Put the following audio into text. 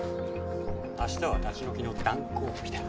明日は立ち退きの断行日だ。